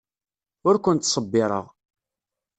Ur ken-ttṣebbireɣ.